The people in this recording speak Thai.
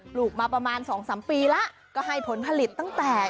ลูกมาประมาณ๒๓ปีแล้วก็ให้ผลผลิตตั้งแต่